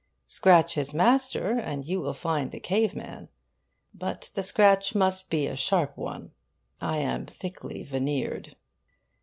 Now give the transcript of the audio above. Scratch his master and you will find the caveman. But the scratch must be a sharp one: I am thickly veneered.